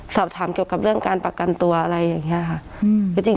สอบถามเกี่ยวกับเรื่องการประกันตัวอะไรอย่างนี้ค่ะ